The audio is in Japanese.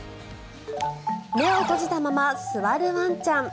目を閉じたまま座るワンちゃん。